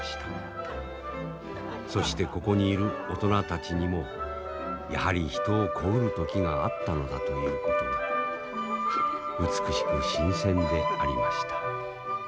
そしてここにいる大人たちにもやはり人を恋うる時があったのだということが美しく新鮮でありました。